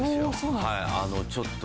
はい。